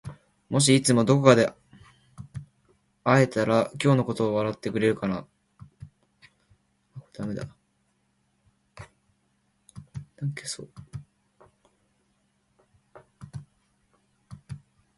もしいつかどこかで会えたら今日のことを笑ってくれるかな？